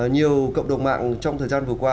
nhiều cộng đồng mạng trong thời gian vừa qua